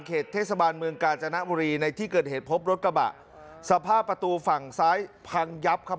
เทศบาลเมืองกาญจนบุรีในที่เกิดเหตุพบรถกระบะสภาพประตูฝั่งซ้ายพังยับครับ